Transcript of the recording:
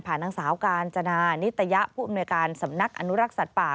นางสาวกาญจนานิตยะผู้อำนวยการสำนักอนุรักษ์สัตว์ป่า